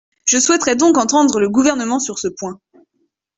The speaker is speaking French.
Je souhaiterais donc entendre le Gouvernement sur ce point.